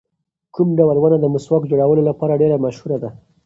کوم ډول ونه د مسواک جوړولو لپاره ډېره مشهوره ده؟